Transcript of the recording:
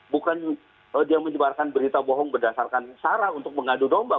bukan dia menyebarkan berita bohong berdasarkan sara untuk mengadu domba